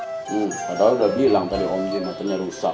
hmm padahal udah bilang tadi om jin matanya rusak